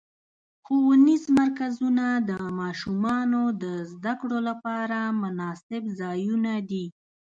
ښوونیز مرکزونه د ماشومانو د زدهکړو لپاره مناسب ځایونه دي.